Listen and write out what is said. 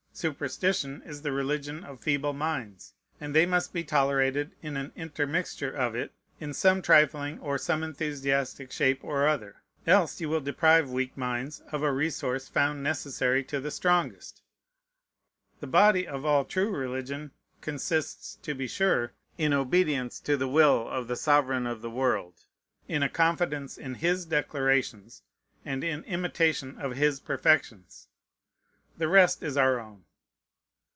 Superstition is the religion of feeble minds; and they must be tolerated in an intermixture of it, in some trifling or some enthusiastic shape or other, else you will deprive weak minds of a resource found necessary to the strongest. The body of all true religion consists, to be sure, in obedience to the will of the Sovereign of the world, in a confidence in His declarations, and in imitation of His perfections. The rest is our own.